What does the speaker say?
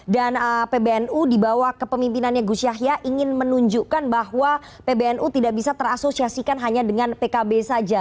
dan pbnu dibawa ke pemimpinannya gus yahya ingin menunjukkan bahwa pbnu tidak bisa terasosiasikan hanya dengan pkb saja